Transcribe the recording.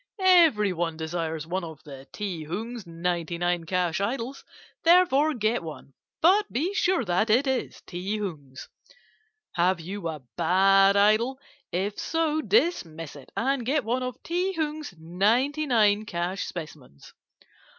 Everyone desires one of the Ti Hung's ninety nine cash idols, therefore get one; but be sure that it is Ti Hung's. "Have you a bad idol? If so, dismiss it, and get one of Ti Hung's ninety nine cash specimens.